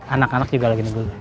anak anak juga lagi negul